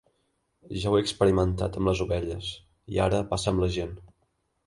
Ja ho he experimentat amb les ovelles, i ara passa amb la gent.